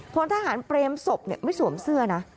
พลทหารเปรมศพไม่สวมเสื้อนะ